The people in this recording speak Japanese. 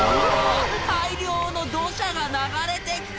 大量の土砂が流れてきた！